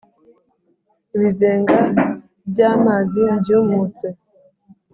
ibizenga by’amazi mbyumutse.